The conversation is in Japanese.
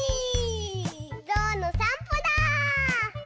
ぞうのさんぽだ！